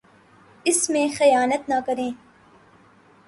اس میں خیانت نہ کرے